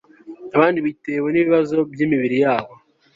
Abandi bitewe nibibazo byimibiri yabo